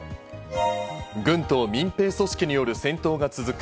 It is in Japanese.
軍と民兵組織による戦闘が続く